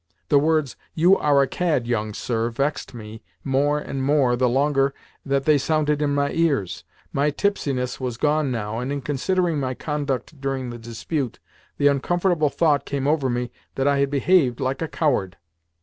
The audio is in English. The words, "You are a cad, young sir," vexed me more and more the longer that they sounded in my ears. My tipsiness was gone now, and, in considering my conduct during the dispute, the uncomfortable thought came over me that I had behaved like a coward.